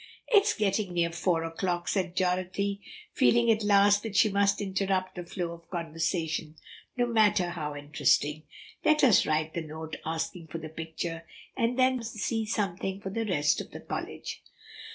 "It's getting near four o'clock," said Dorothy, feeling at last that she must interrupt the flow of conversation, no matter how interesting; "let us write the note asking for the picture, and then see something of the rest of the college."